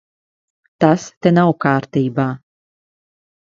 Tas te nav kārtībā.